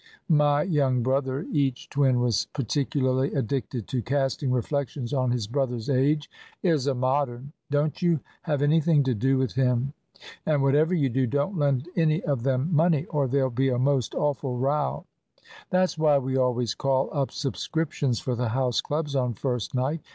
My young brother," (each twin was particularly addicted to casting reflections on his brother's age) "is a Modern. Don't you have anything to do with him. And whatever you do, don't lend any of them money, or there'll be a most awful row. That's why we always call up subscriptions for the house clubs on first night.